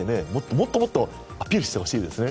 もっともっとアピールしてほしいですね。